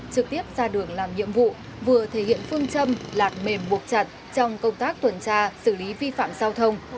trực tiếp ra đường làm nhiệm vụ vừa thể hiện phương châm lạt mềm buộc chặt trong công tác tuần tra xử lý vi phạm giao thông